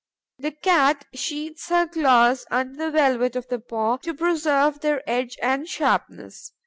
The Cat sheathes her claws under the velvet of the paw, to preserve their edge and sharpness.